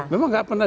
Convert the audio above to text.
memang gak pernah